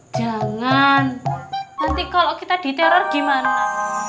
jangan nanti kalau kita diteror gimana